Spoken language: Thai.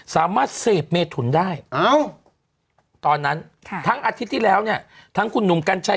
สามารถเสพเมถุนได้ตอนนั้นทั้งอาทิตย์ที่แล้วเนี่ยทั้งคุณหนุ่มกัญชัย